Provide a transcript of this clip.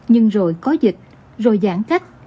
nhưng rồi có dịch rồi giãn cách